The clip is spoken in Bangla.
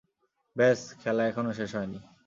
ব্যস, খেলা এখনো শেষ হয়নি।